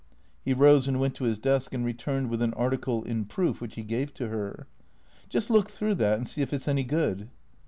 He rose and went to his desk and returned with an article in proof which he gave to her. " Just look through that and see if it 's any good."